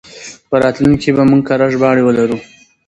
په راتلونکي کې به موږ کره ژباړې ولرو.